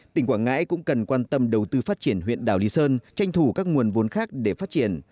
tỉnh quảng ngãi cũng cần quan tâm đầu tư phát triển huyện đảo lý sơn tranh thủ các nguồn vốn khác để phát triển